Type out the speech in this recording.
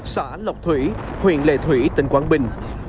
xã lộc thủy huyện lệ thủy tỉnh quảng bình